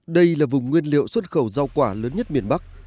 đây là vùng nguyên liệu xuất khẩu rau quả lớn nhất miền bắc